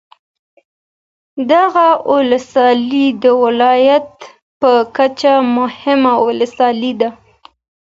دغه ولسوالي د ولایت په کچه مهمه ولسوالي ده.